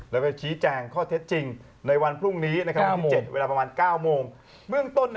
แล้วก็ชี้แจงข้อเท็จจริง